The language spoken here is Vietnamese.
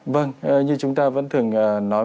vâng như chúng ta vẫn thường nói